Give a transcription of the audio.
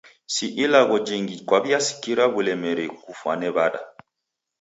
Si ilagho jingi kwaw'iasikira w'ulemeri ghugfwane w'ada.